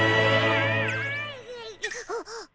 あっ！